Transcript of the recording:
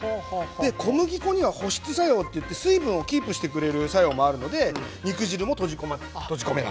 小麦粉には保湿作用といって水分をキープしてくれる作用もあるので肉汁も閉じ込められる。